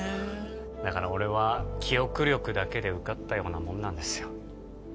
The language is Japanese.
だから俺は記憶力だけで受かったようなもんなんですよ